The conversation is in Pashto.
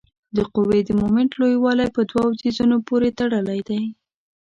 د قوې د مومنټ لویوالی په دوو څیزونو پورې تړلی دی.